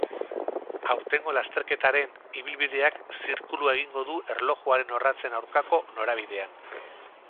Aurtengo lasterketaren ibilbideak zirkulua egingo du erlojuaren orratzen aurkako norabidean.